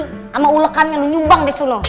sama ulekan lo nyumbang deh selalu